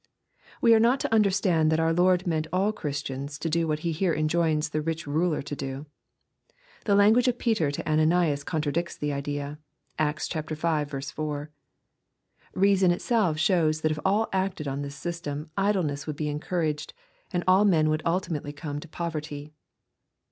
] We are not to understand that our Lord meant all Christians to do what he here enjoins the rich ruler to do. The language of Peter to Annanias contradicts the idea. (Acts V. 4.) Reason itself shows that if all acted on this system, idleness would be encouraged, and all men would ultimately como to poverty.